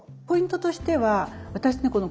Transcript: ポイントとしては私ね